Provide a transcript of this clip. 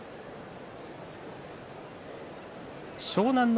湘南乃